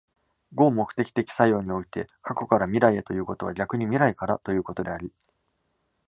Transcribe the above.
合目的的作用において、過去から未来へということは逆に未来からということであり、